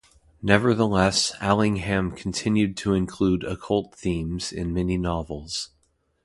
Nevertheless, Allingham continued to include occult themes in many novels.